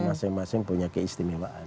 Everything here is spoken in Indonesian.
masing masing punya keistimewaan